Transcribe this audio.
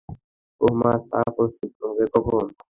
ওহ, মা, চা প্রস্তুত হবে কখন?